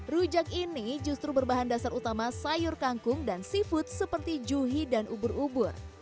rujak ini justru berbahan dasar utama sayur kangkung dan seafood seperti juhi dan ubur ubur